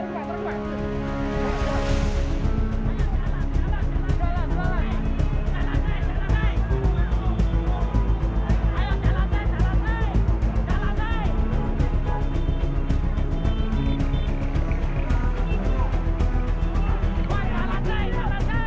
dibawa ke ya